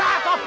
aduh aduh aduh